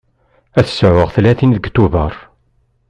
Ad sɛuɣ tlatin deg Tubeṛ.